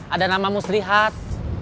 ada namanya muslihat